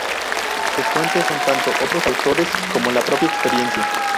Sus fuentes son tanto otros autores como la propia experiencia.